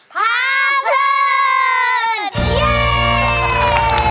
พาเพลิน